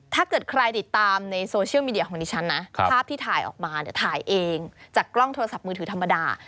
ถ้าเกิดใครติดตามในโซเชียลมีเดียของดิฉันนะภาพที่ถ่ายออกมาเนี่ยถ่ายเองจากกล้องโทรศัพท์มือถือธรรมดา